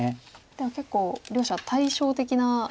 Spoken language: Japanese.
では結構両者対照的な棋風と。